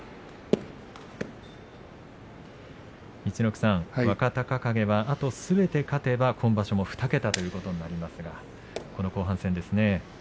陸奥さん、若隆景はあとすべて勝てば今場所２桁となりますが後半戦ですね。